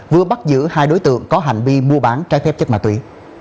vừa bắt giữ hai đối tượng có hành vi mua bán trái phép chất ma túy